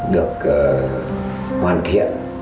được hoàn thiện